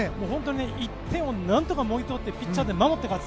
１点を何とかもぎ取ってピッチャーで守って勝つ。